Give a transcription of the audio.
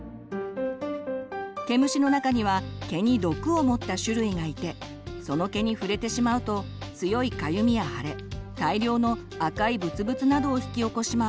毛虫の中には毛に毒を持った種類がいてその毛に触れてしまうと強いかゆみや腫れ大量の赤いブツブツなどを引き起こします。